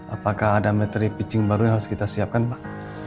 apakah ada materi pitching baru yang harus kita siapkan pak